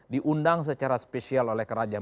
diundang secara spesial oleh kerajaan